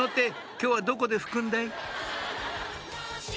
今日はどこで拭くんだい？